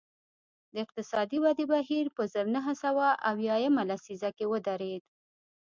د اقتصادي ودې بهیر په زر نه سوه اویا یمه لسیزه کې ودرېد